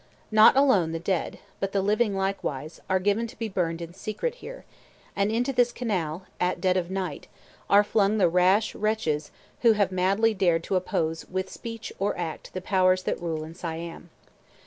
Not alone the dead, but the living likewise, are given to be burned in secret here; and into this canal, at dead of night, are flung the rash wretches who have madly dared to oppose with speech or act the powers that rule in Siam.